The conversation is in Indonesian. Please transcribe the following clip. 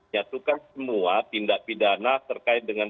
ya itu kan semua tindak pidana terkait dengan